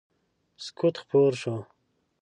سکوت خپور شو.